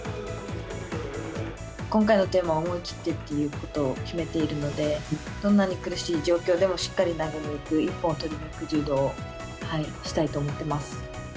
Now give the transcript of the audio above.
今回のテーマは、思い切ってということを決めているので、どんなに苦しい状況でも、しっかり投げにいく一本取りにいく柔道をしたいと思ってます。